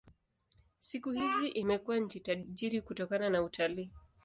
Siku hizi imekuwa nchi tajiri kutokana na utalii.